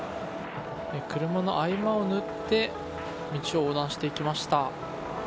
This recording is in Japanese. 車の間を縫って道を横断していきました。